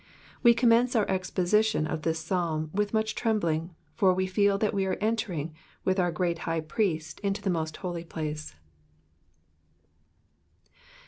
We commence mir exposition of this Psalm with much trembling, for we feel that we are entering wiUi our Great High Priest into the most holy place.